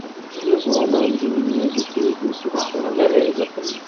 ځوانان د وینې د تویېدو سره سره مبارزه کوي.